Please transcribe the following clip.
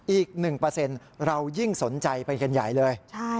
อีก๑เรายิ่งสนใจไปกันใหญ่เลย